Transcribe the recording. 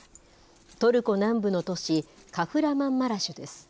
トルコ南部の都市、カフラマンマラシュです。